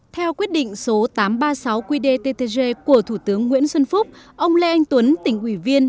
theo quyết định số tám trăm ba mươi sáu qdttg của thủ tướng nguyễn xuân phúc ông lê anh tuấn tỉnh ủy viên